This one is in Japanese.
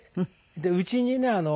うちにね